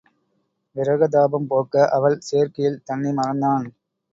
விரக தாபம் போக்க அவள் சேர்க்கையில் தன்னை மறந்தான்.